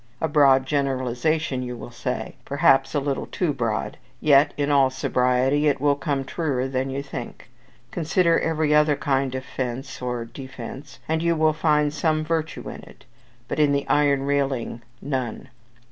A broad generalization, you will say! Perhaps a little too broad; yet, in all sobriety, it will come truer than you think. Consider every other kind of fence or defence, and you will find some virtue in it; but in the iron railing none.